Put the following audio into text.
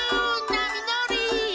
なみのり！